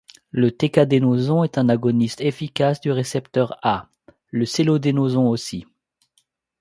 Le Tecadenoson est un agoniste efficace du récepteur A, le selodenoson aussi.